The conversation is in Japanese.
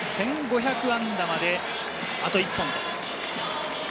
通算の１５００安打まであと１本。